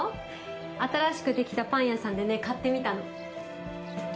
新しくできたパン屋さんで買ってみたの。